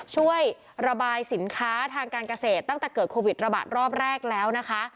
ช่วยระบายสินค้าทางการเกษตรตั้งแต่เกิดโควิดระบาดรอบแรกแล้วนะคะ